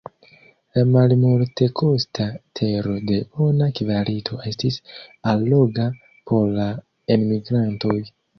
La malmultekosta tero de bona kvalito estis alloga por la enmigrantoj.